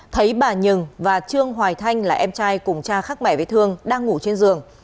thấy bà nhường và trương hoài thanh là em trai cùng cha khác mẹ với thương đang ngủ trên giường